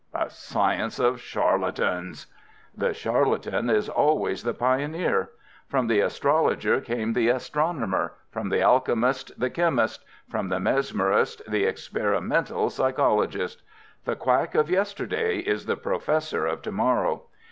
"A science of charlatans." "The charlatan is always the pioneer. From the astrologer came the astronomer, from the alchemist the chemist, from the mesmerist the experimental psychologist. The quack of yesterday is the professor of to morrow.